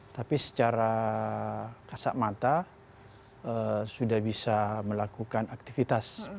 tapi secara kasat mata sudah bisa melakukan aktivitas